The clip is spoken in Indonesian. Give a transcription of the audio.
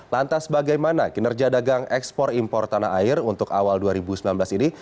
lantas bagaimana kinerja dagang ekspor impor tanah air untuk awal dua ribu sembilan belas ini